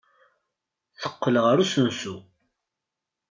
Teqqel ɣer usensu.